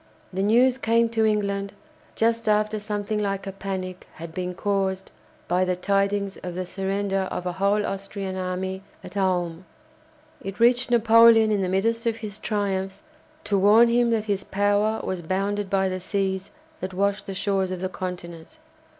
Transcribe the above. The news came to England, just after something like a panic had been caused by the tidings of the surrender of a whole Austrian army at Ulm. It reached Napoleon in the midst of his triumphs, to warn him that his power was bounded by the seas that washed the shores of the Continent.